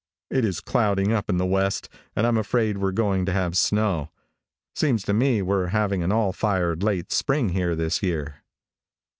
It is clouding up in the west, and I'm afraid we're going to have snow. Seems to me we're having an all fired late spring here this year.